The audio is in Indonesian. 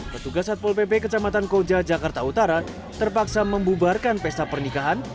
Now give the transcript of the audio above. petugas satpol pp kecamatan koja jakarta utara terpaksa membubarkan pesta pernikahan